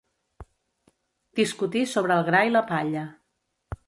Discutir sobre el gra i la palla.